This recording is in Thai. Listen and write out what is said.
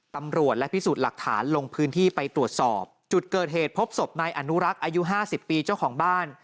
ตำรวจและพิสูจน์หลักฐานลงพื้นที่ไปตรวจสอบจุดเกิดเหตุพบศพนายอนุรักษ์อายุ๕๐ปีเจ้าของบ้าน